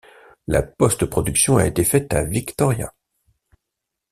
La post-production a été faite à Victoria.